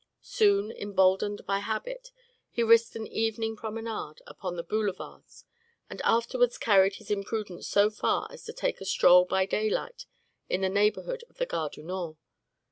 Soon, emboldened by habit, he risked an evening promenade upon the Boulevards, and afterwards carried his imprudence so far as to take a stroll by daylight in the neighborhood of the Gare du Nord.